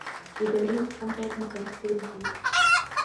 اداري اقدام باید متناسب وي.